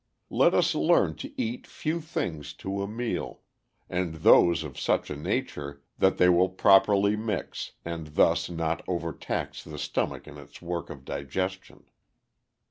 Let us learn to eat few things to a meal, and those of such a nature that they will properly mix, and thus not overtax the stomach in its work of digestion.